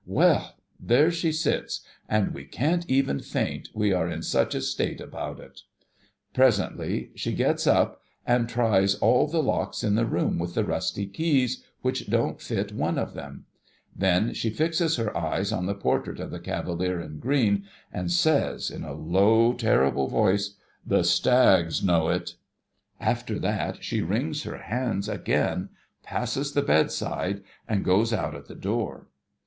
Well ! there she sits, and we can't even faint, we are in such a state about it. Presently she gets 13 A CHRISTMAS TREE up, and tries all the locks in the room with the rusty keys, which won't fit one of them ; then, she fixes her eyes on the portrait of the cavalier in green, and says, in a low, terrihle voice, ' The stags know it !' After that, she wrings her hands again, passes the bedside, and goes out at the door.